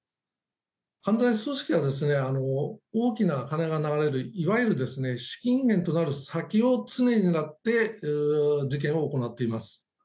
犯罪組織は大きな金が流れるいわゆる資金源となる先を常に狙って事件を行っています。